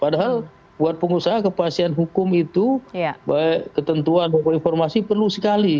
padahal buat pengusaha kepastian hukum itu baik ketentuan maupun informasi perlu sekali